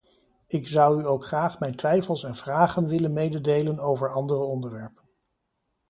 Ik zou u ook graag mijn twijfels en vragen willen mededelen over andere onderwerpen.